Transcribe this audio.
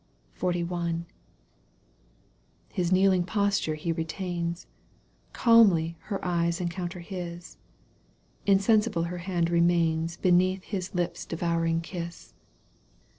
XU. His kneeling posture he retains — Calmly her eyes encounter his — Insensible her hand remains Beneath his lips' devouring kiss.